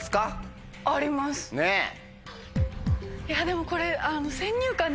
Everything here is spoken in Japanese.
いやでもこれ。